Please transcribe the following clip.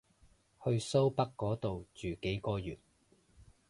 去蘇北嗰度住幾個月